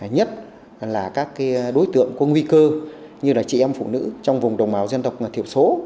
nhất là các đối tượng có nguy cơ như là chị em phụ nữ trong vùng đồng bào dân tộc thiểu số